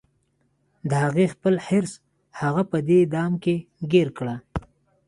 د هغې خپل حرص هغه په دې دام کې ګیر کړه